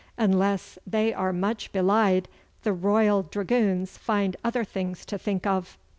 Unless they are much belied, the Royal Dragoons find other things to think of.